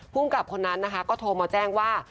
ภูมิกับคนนั้นนะคะก็โทรมาแจ้งว่า